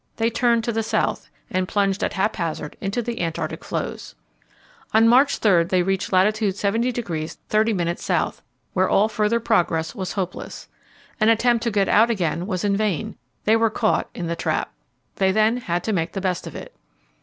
They turned to the south, and plunged at haphazard into the Antarctic floes. On March 3 they reached lat. 70° 30' S., where all further progress was hopeless. An attempt to get out again was in vain they were caught in the trap. They then had to make the best of it.